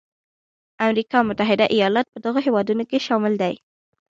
امریکا متحده ایالات په دغو هېوادونو کې شامل دی.